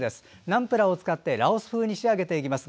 ナムプラーを使ってラオス風に仕上げます。